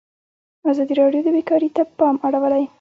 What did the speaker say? ازادي راډیو د بیکاري ته پام اړولی.